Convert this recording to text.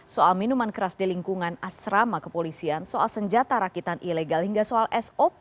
soal minuman keras di lingkungan asrama kepolisian soal senjata rakitan ilegal hingga soal sop